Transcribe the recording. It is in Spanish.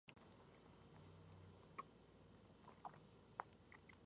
Son numerosos los premios, menciones y distinciones.